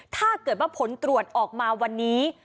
ถ้าเกิดว่าผลตรวจออกมาวันนี้